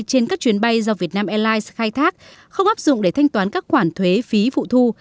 trên các chuyến bay do vietnam airlines khai thác không áp dụng để thanh toán các khoản thuế phí phụ thu